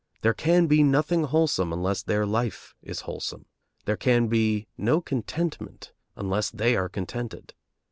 There can be nothing wholesome unless their life is wholesome; there can be no contentment unless they are contented.